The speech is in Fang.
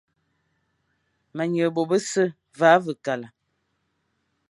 Ma nyeghe bô bese, va ve kale.